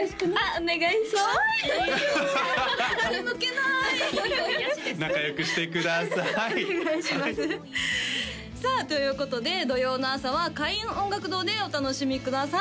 お願いしますさあということで土曜の朝は開運音楽堂でお楽しみください